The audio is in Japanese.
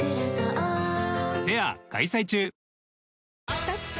きたきた！